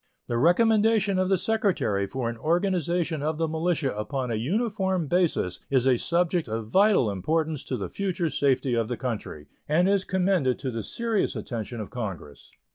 The recommendation of the Secretary for an organization of the militia upon a uniform basis is a subject of vital importance to the future safety of the country, and is commended to the serious attention of Congress.